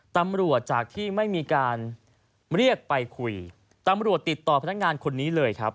ตำรวจจากที่ไม่มีการเรียกไปคุยตำรวจติดต่อพนักงานคนนี้เลยครับ